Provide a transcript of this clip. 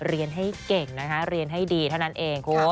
เรียนให้เก่งนะคะเรียนให้ดีเท่านั้นเองคุณ